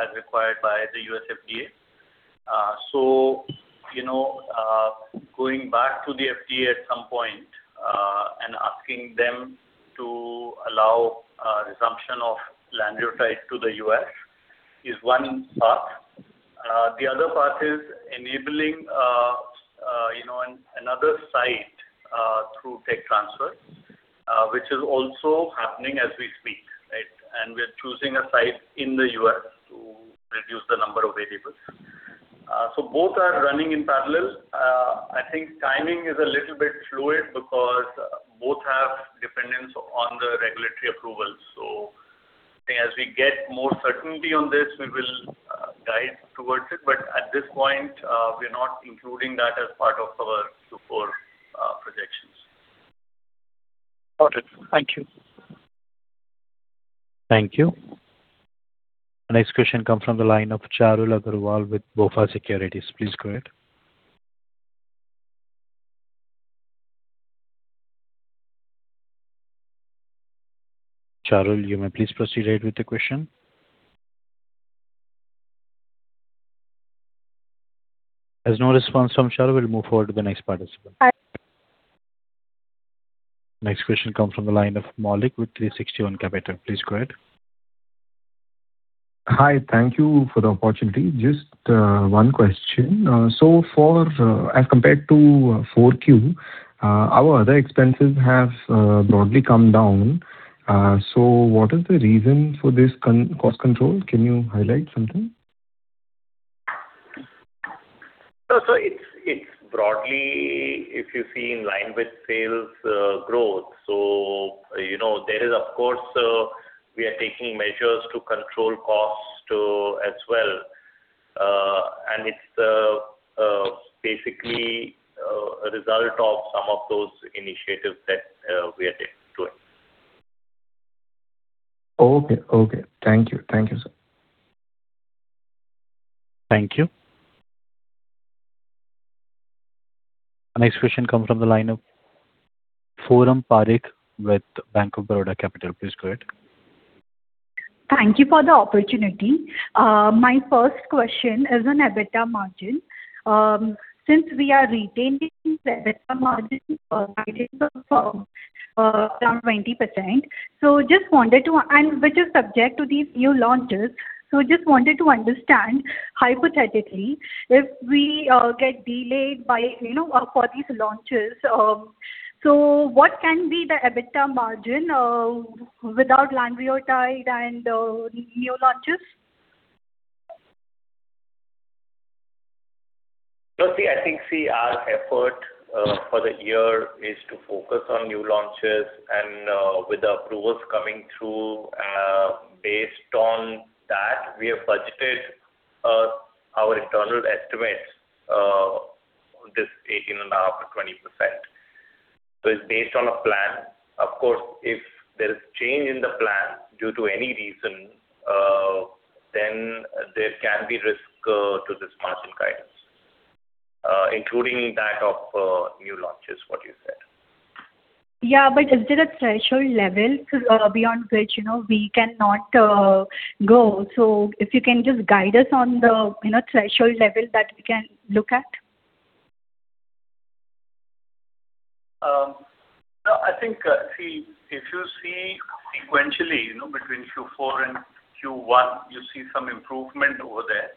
as required by the U.S. FDA. Going back to the FDA at some point and asking them to allow resumption of lanreotide to the U.S. is one part. The other part is enabling another site through tech transfer, which is also happening as we speak, right? We are choosing a site in the U.S. to reduce the number of variables. Both are running in parallel. I think timing is a little bit fluid because both have dependence on the regulatory approval. I think as we get more certainty on this, we will guide towards it. At this point, we are not including that as part of our support projections. Got it. Thank you. Thank you. The next question comes from the line of Charul Agrawal with BofA Securities. Please go ahead. Charul, you may please proceed ahead with the question. There's no response from Charul. We'll move forward to the next participant. Hi- Next question comes from the line of Maulik with 360 ONE Capital. Please go ahead. Hi. Thank you for the opportunity. Just one question. As compared to 4Q, our other expenses have broadly come down. What is the reason for this cost control? Can you highlight something? It's broadly, if you see, in line with sales growth. There is, of course, we are taking measures to control costs, too, as well. It's basically a result of some of those initiatives that we are taking to it. Okay. Thank you, sir. Thank you. The next question comes from the line of Foram Parekh with Bank of Baroda Capital. Please go ahead. Thank you for the opportunity. My first question is on EBITDA margin. We are retaining the EBITDA margin from 20%, and which is subject to these new launches. Just wanted to understand, hypothetically, if we get delayed for these launches, what can be the EBITDA margin without lanreotide and new launches? I think our effort for the year is to focus on new launches and with the approvals coming through, based on that, we have budgeted our internal estimates of this 18.5%-20%. It's based on a plan. Of course, if there's change in the plan due to any reason, then there can be risk to this margin guidance, including that of new launches, what you said. Is there a threshold level beyond which we cannot go? If you can just guide us on the threshold level that we can look at. I think, if you see sequentially, between Q4 and Q1, you see some improvement over there.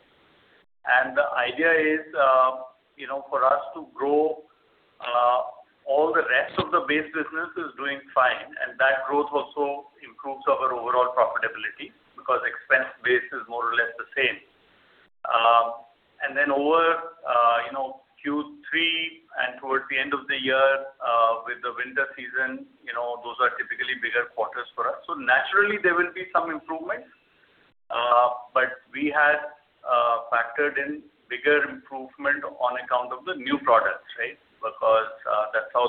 The idea is for us to grow all the rest of the base business is doing fine, and that growth also improves our overall profitability because expense base is more or less the same. Over Q3 and towards the end of the year with the winter season, those are typically bigger quarters for us. Naturally, there will be some improvements. We had factored in bigger improvement on account of the new products, right? That's how,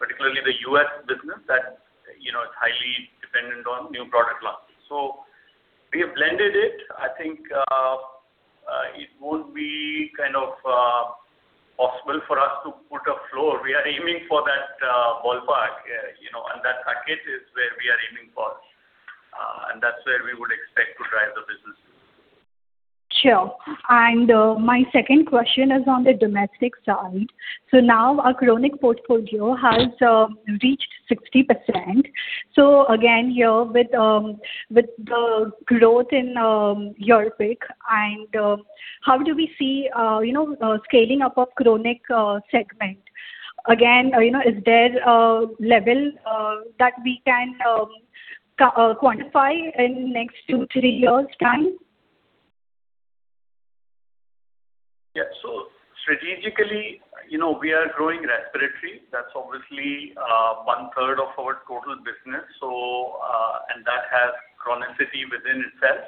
particularly the U.S. business, that is highly dependent on new product launches. We have blended it. I think it would be kind of possible for us to put a floor. We are aiming for that ballpark, and that bracket is where we are aiming for, and that's where we would expect to drive the business. Sure. My second question is on the domestic side. Now our chronic portfolio has reached 60%. Again, here with the growth in Yurpeak, how do we see scaling up of chronic segment? Is there a level that we can quantify in next two, three years' time? Strategically, we are growing respiratory. That's obviously one-third of our total business, and that has chronicity within itself.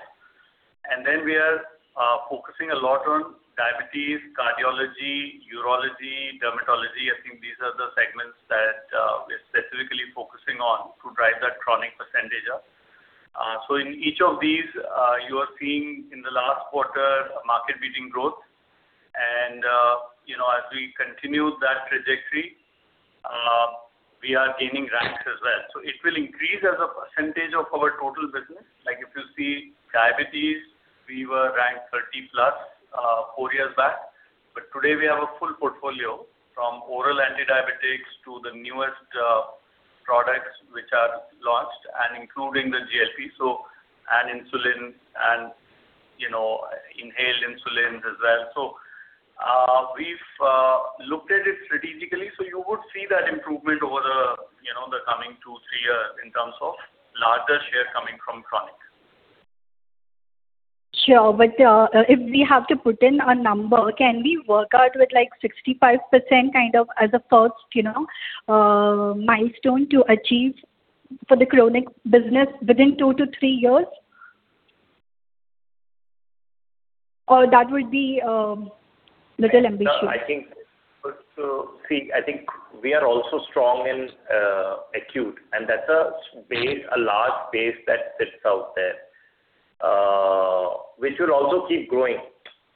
Then we are focusing a lot on diabetes, cardiology, urology, dermatology. I think these are the segments that we're specifically focusing on to drive that chronic percentage up. In each of these, you are seeing in the last quarter a market-leading growth. As we continue that trajectory, we are gaining ranks as well. It will increase as a percentage of our total business. Like if you see diabetes, we were ranked 30+ four years back. Today we have a full portfolio from oral antidiabetics to the newest products which are launched and including the GLP, and insulin, and inhaled insulin as well. We've looked at it strategically. You would see that improvement over the coming two, three years in terms of larger share coming from chronic. Sure. If we have to put in a number, can we work out with 65% kind of as a first milestone to achieve for the chronic business within two to three years? That would be a little ambitious. I think we are also strong in acute, and that's a large base that sits out there, which will also keep growing,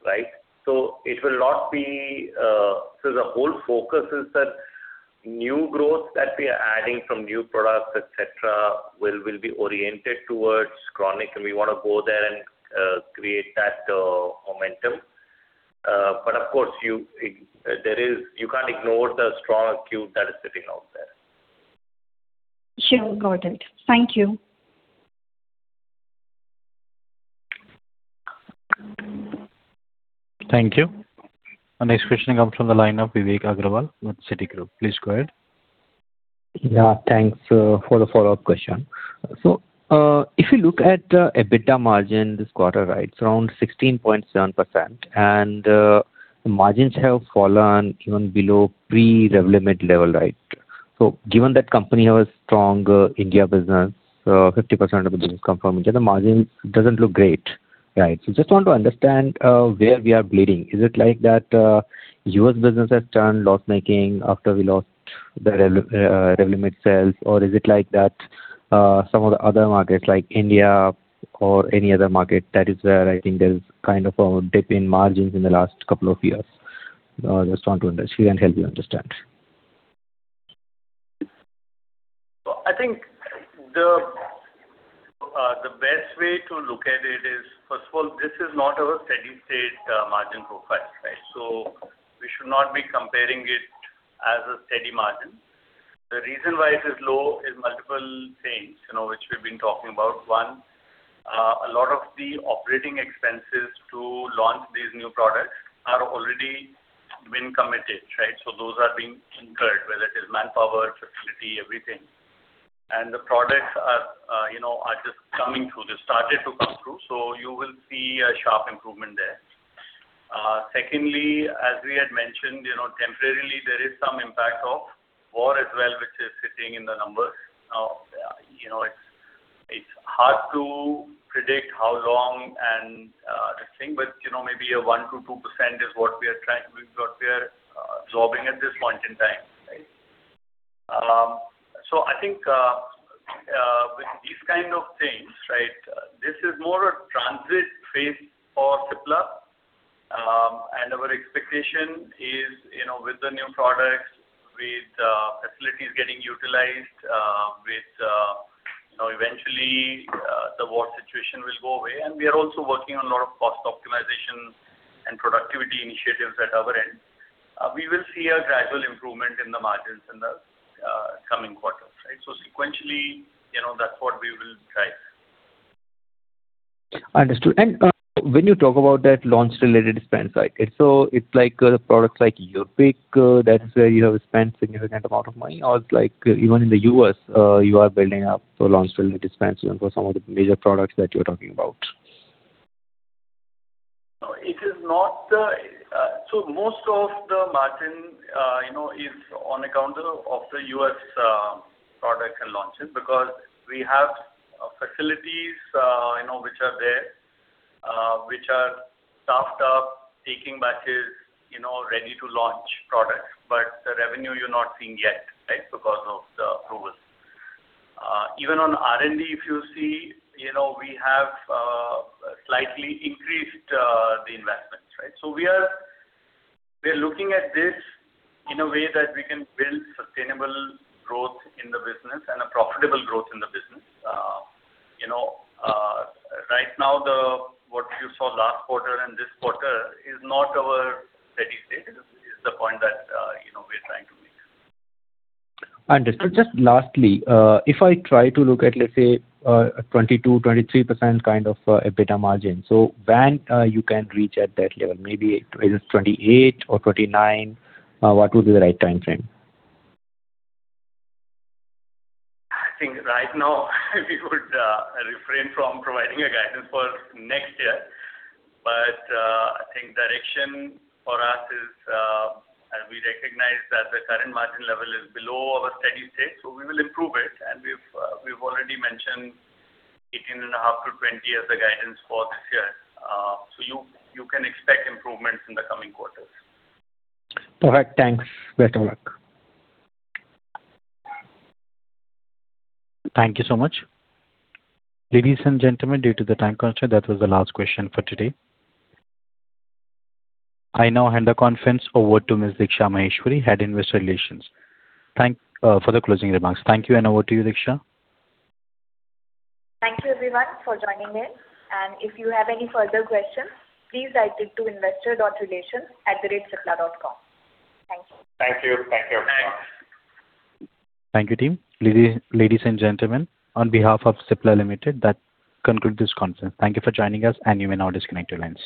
right? The whole focus is that new growth that we are adding from new products, et cetera, will be oriented towards chronic, and we want to go there and create that momentum. Of course, you can't ignore the strong acute that is sitting out there. Sure. Got it. Thank you. Thank you. Our next question comes from the line of Vivek Agrawal with Citigroup. Please go ahead. Thanks. For the follow-up question. If you look at the EBITDA margin this quarter, it's around 16.7%. The margins have fallen even below pre-REVLIMID level, right? Given that company have a strong India business, 50% of the business come from India, the margin doesn't look great, right? Just want to understand where we are bleeding. Is it like that U.S. business has turned loss-making after we lost the REVLIMID sales? Is it like that some of the other markets like India or any other market that is where I think there's kind of a dip in margins in the last couple of years. Just want to understand. Can you help me understand? I think the best way to look at it is, first of all, this is not our steady-state margin profile, right? We should not be comparing it as a steady margin. The reason why it is low is multiple things, which we've been talking about. One, a lot of the operating expenses to launch these new products are already been committed, right? Those are being incurred, whether it is manpower, facility, everything. The products are just coming through. They started to come through. You will see a sharp improvement there. Secondly, as we had mentioned, temporarily there is some impact of war as well, which is sitting in the numbers. It's hard to predict how long and that thing, but maybe 1%-2% is what we are absorbing at this point in time. Right? I think with these kind of things, this is more a transit phase for Cipla. Our expectation is with the new products, with facilities getting utilized, eventually the war situation will go away. We are also working on a lot of cost optimization and productivity initiatives at our end. We will see a gradual improvement in the margins in the coming quarters. Sequentially, that's what we will drive. Understood. When you talk about that launch-related expense, so it's like the products like Yurpeak, that is where you have spent significant amount of money? Or it's like even in the U.S., you are building up for launch-related expense even for some of the major products that you're talking about? Most of the margin is on account of the U.S. product and launches, because we have facilities which are there, which are staffed up, taking batches, ready to launch products. But the revenue you're not seeing yet because of the approvals. Even on R&D, if you see, we have slightly increased the investments. We are looking at this in a way that we can build sustainable growth in the business and a profitable growth in the business. Right now, what you saw last quarter and this quarter is not our steady state, is the point that we're trying to make. Understood. Just lastly, if I try to look at, let's say, a 22%-23% kind of EBITDA margin. When you can reach at that level, maybe is it 2028 or 2029? What would be the right timeframe? I think right now we would refrain from providing a guidance for next year. I think direction for us is, as we recognize that the current margin level is below our steady state, we will improve it, and we've already mentioned 18.5%-20% as the guidance for this year. You can expect improvements in the coming quarters. All right. Thanks. Best of luck. Thank you so much. Ladies and gentlemen, due to the time constraint, that was the last question for today. I now hand the conference over to Ms. Diksha Maheshwari, Head Investor Relations for the closing remarks. Thank you, and over to you, Diksha. Thank you everyone for joining in. If you have any further questions, please write it to investor.relations@cipla.com. Thank you. Thank you. Thank you. Thank you, team. Ladies and gentlemen, on behalf of Cipla Limited, that concludes this conference. Thank you for joining us. You may now disconnect your lines.